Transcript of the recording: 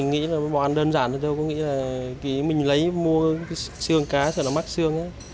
nghĩ là bỏ ăn đơn giản thôi mình lấy mua xương cá sợ nó mắc xương